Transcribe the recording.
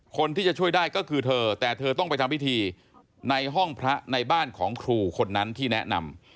คนที่จะช่วยได้ก็คือเธอแต่เธอต้องไปทำพิธีในห้องพระในบ้านของครูคนนั้นที่แนะนำ